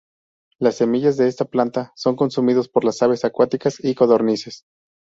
Las semillas de esta planta son consumidos por las aves acuáticas y codornices.